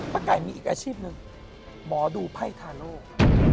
ไก่มีอีกอาชีพหนึ่งหมอดูไพ่ทาโลก